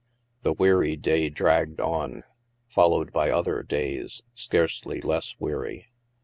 The weary day dragged on, followed by other days scarcely less weary.